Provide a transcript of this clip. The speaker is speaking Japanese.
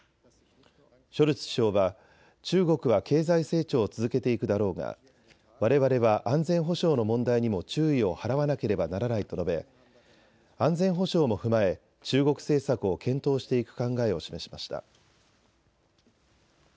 ショルツ首相は中国は経済成長を続けていくだろうがわれわれは安全保障の問題にも注意を払わなければならないと述べ、安全保障も踏まえ中国政策を検討していく考えを示しました。